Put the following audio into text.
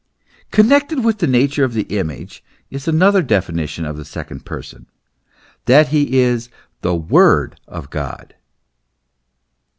Connected with the nature of the image is another definition of the Second Person, namely, that he is the Word of God.